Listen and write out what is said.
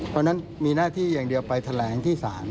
เพราะฉะนั้นมีหน้าที่อย่างเดียวไปแถลงที่ศาล